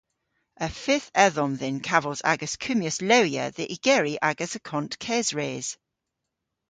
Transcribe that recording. Y fydh edhom dhyn kavos a'gas kummyas lewya dhe ygeri agas akont kesres.